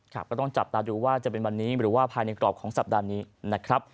ก็ต้องจับตาดูว่าจะเป็นวันนี้หรือว่าภายในกรอบของสัปดาห์นี้นะครับ